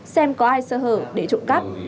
xem có ai sơ hở để trộm cắp